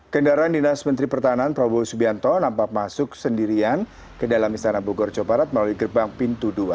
kendaraan dinas menteri pertahanan prabowo subianto nampak masuk sendirian ke dalam istana bogor jawa barat melalui gerbang pintu dua